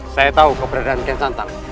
saya tahu keberadaan gensantang